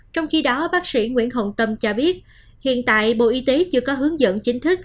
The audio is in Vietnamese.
trong khi đó bác sĩ nguyễn hồng tâm cho biết hiện tại bộ y tế chưa có hướng dẫn chính thức